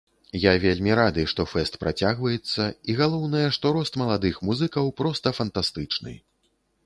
Я вельмі рады, што фэст працягваецца, і, галоўнае, што рост маладых музыкаў проста фантастычны!